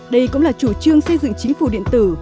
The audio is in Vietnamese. đây cũng là chủ trương xây dựng chính phủ điện tử